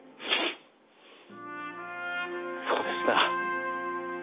そうですな。